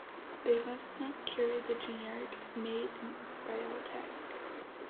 They must not carry the generic "Made in Israel" tag.